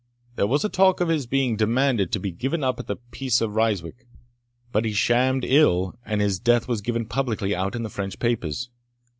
There was a talk of his being demanded to be given up at the peace of Ryswick, but he shammed ill, and his death was given publicly out in the French papers.